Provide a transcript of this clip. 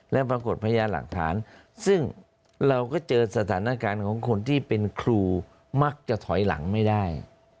และปรากฏพยานหลักฐานซึ่งเราก็เจอสถานการณ์ของคนที่เป็นครูมักจะถอยหลังไม่ได้